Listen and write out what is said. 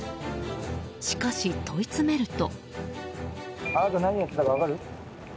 しかし、問い詰めると。